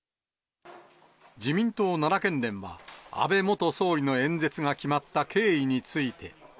自民党奈良県連は、安倍元総理の演説が決まった経緯について。